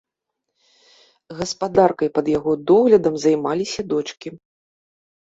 Гаспадаркай пад яго доглядам займаліся дочкі.